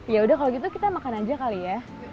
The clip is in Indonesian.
yaudah kalau gitu kita makan aja kali ya